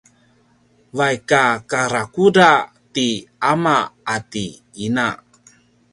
vaik a karakuda ti ama ati ina